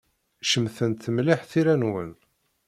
Cemtent mliḥ tira-nwen.